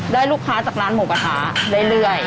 ลูกค้าจากร้านหมูกระทะเรื่อย